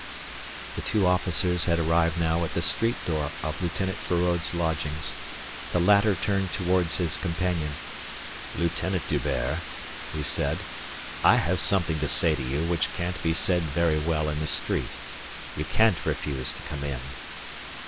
The two officers had arrived now at the street door of Lieutenant Feraud's lodgings. The latter turned toward his companion. "Lieutenant D'Hubert," he said, "I have something to say to you which can't be said very well in the street. You can't refuse to come in."